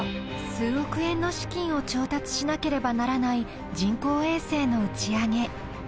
数億円の資金を調達しなければならない人工衛星の打ち上げ。